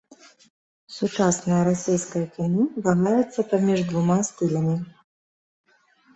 Сучаснае расейскае кіно вагаецца паміж двума стылямі.